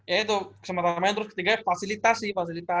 ya itu kesempatan main terus ketiga fasilitas sih